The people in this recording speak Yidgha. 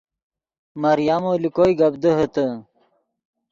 مریمو لے کوئے گپ دیہے تے